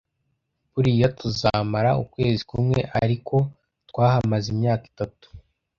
buriya tuzamara ukwezi kumwe, ariko twahamaze imyaka itatu